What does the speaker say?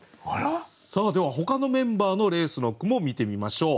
さあではほかのメンバーの「レース」の句も見てみましょう。